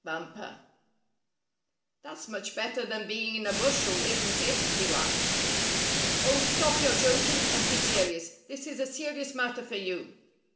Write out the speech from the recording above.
Bumper." " That's much better than being in a bushel, isn't it?" he laughed. "Oh, stop your joking, and be serious. This is a serious matter for you."